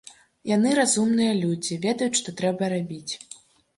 Яны разумныя людзі, ведаюць, што трэба рабіць.